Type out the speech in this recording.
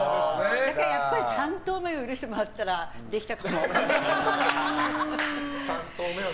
やっぱり３刀目を許せてもらったらできたかも。